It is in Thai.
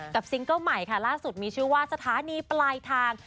ซิงเกิ้ลใหม่ค่ะล่าสุดมีชื่อว่าสถานีปลายทาง